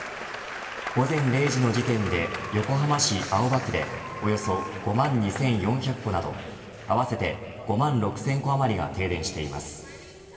午前０時の時点で横浜市青葉区でおよそ５万２４００戸など合わせて５万６０００戸あまりが停電しています。